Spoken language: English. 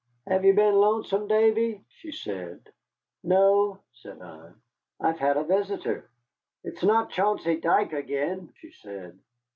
"Have you been lonesome, Davy?" she said. "No," said I, "I've had a visitor." "It's not Chauncey Dike again?" she said.